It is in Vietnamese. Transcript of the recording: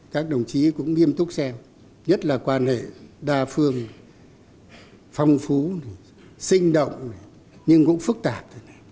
các đồng chí cũng nghiêm túc xem nhất là quan hệ đa phương phong phú sinh động nhưng cũng phức tạp